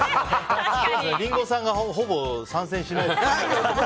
リンゴさんがほぼ参戦しない。